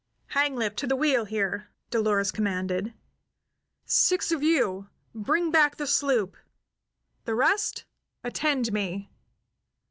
"Hanglip, to the wheel here!" Dolores commanded. "Six of you bring back the sloop. The rest attend me!